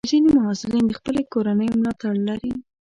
ځینې محصلین د خپلې کورنۍ ملاتړ لري.